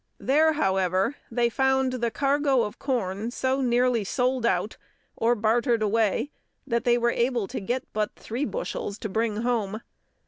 There, however, they found the cargo of corn so nearly sold out, or bartered away, that they were able to get but three bushels to bring home.